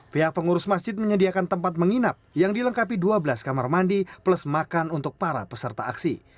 pihak pengurus masjid menyediakan tempat menginap yang dilengkapi dua belas kamar mandi plus makan untuk para peserta aksi